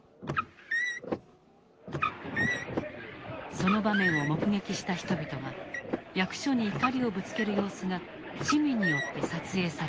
その場面を目撃した人々が役所に怒りをぶつける様子が市民によって撮影された。